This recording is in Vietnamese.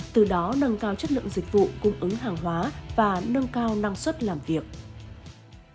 từ đó nâng cao chất lượng dịch vụ cung ứng hàng hóa và nâng cao năng suất làm việc